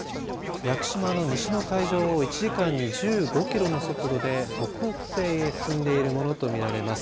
屋久島の西の海上を１時間に１５キロの速度で北北西へ進んでいるものと見られます。